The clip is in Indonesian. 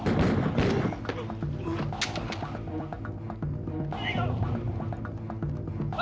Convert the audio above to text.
oh ni administrasinya terkawal